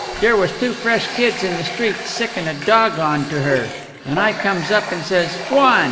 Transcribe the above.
"Dere was two fresh kids in the street sickin' a dawg on to her. And I comes up and says, 'G'wan!